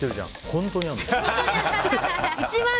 本当にあるの。